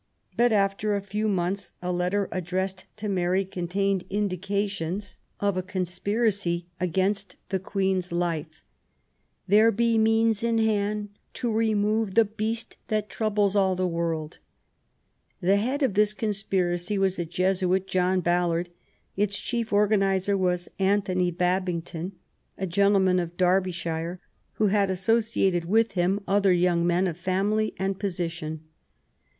But, after a few months, a letter addressed to Mary contained indications of a conspiracy against the Queen's life: There be means in hand to remove the beast that troubles all the world . The head of this conspiracy was a Jesuit, John Ballard ; its chief organiser was Antony Babington, a gentleman of Derbyshire, who had associated with him other young men of family and position.